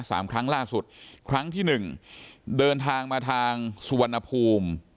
สามครั้งล่าสุดครั้งที่หนึ่งเดินทางมาทางสุวรรณภูมิ